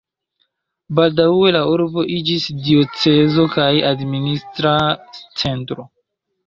Baldaŭe la urbo iĝis diocezo kaj administra centro.